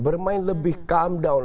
bermain lebih calm down